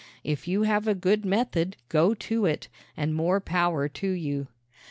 If you have a good method go to it and more power to you!